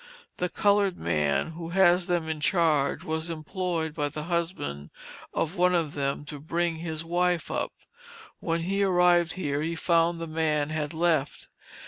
The colored man, who has them in charge, was employed by the husband of one of them to bring his wife up. When he arrived here, he found the man had left.